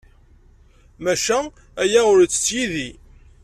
Maca aya ur ittett yid-i.